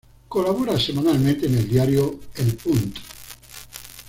Colabora semanalmente en el diario El Punt.